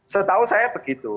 setahu saya begitu